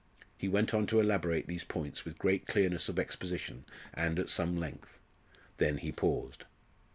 He went on to elaborate these points with great clearness of exposition and at some length; then he paused.